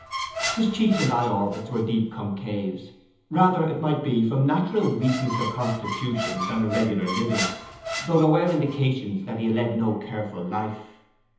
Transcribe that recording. His cheeks and eye orbits were deep concaves—rather, it might be, from natural weakness of constitution than irregular living, though there were indications that he had led no careful life.